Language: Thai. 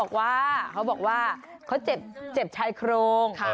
เขาบอกว่าเขาเจ็บชายโครง